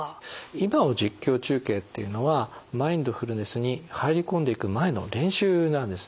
「今を実況中継」っていうのはマインドフルネスに入り込んでいく前の練習なんですね。